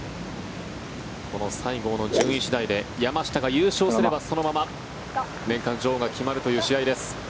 この西郷の順位次第で山下が優勝すれば、そのまま年間女王が決まるという試合です。